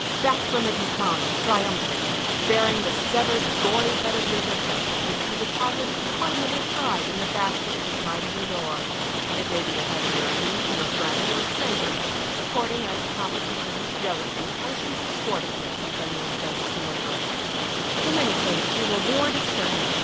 Back from it you come, triumphant, bearing the severed, gory head of your victim, which you deposit with pardonable pride in the basket at the side of your door. It may be the head of your enemy, your friend, or a stranger, according as competition, jealousy, or simple sportiveness has been your incentive to labor. In any case, your reward is certain.